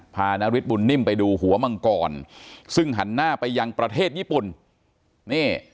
นาริสบุญนิ่มไปดูหัวมังกรซึ่งหันหน้าไปยังประเทศญี่ปุ่นนี่